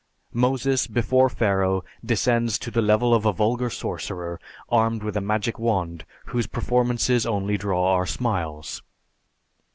Moses before Pharaoh descends to the level of a vulgar sorcerer, armed with a magic wand, whose performances only draw our smiles.